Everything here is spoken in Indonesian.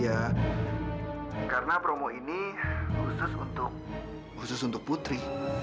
ya karena promo ini khusus untuk putri